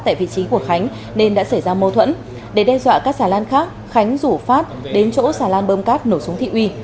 tại vị trí của khánh nên đã xảy ra mâu thuẫn để đe dọa các xà lan khác khánh rủ phát đến chỗ xà lan bơm cát nổ súng thị uy